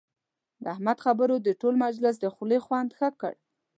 د احمد خبرو د ټول مجلس د خولې خوند ښه کړ.